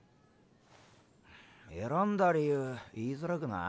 選んだ理由言いづらくない？